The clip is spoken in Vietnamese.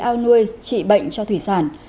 ao nuôi trị bệnh cho thủy sản